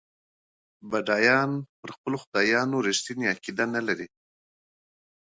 بډایان په خپلو خدایانو رښتینې عقیده نه لري.